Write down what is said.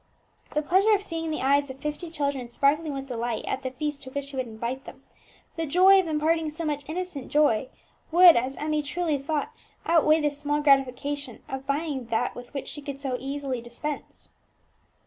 The pleasure of seeing the eyes of fifty children sparkling with delight at the feast to which she would invite them, the joy of imparting so much innocent joy, would, as Emmie truly thought, out weigh the small gratification of buying that with which she so easily could dispense.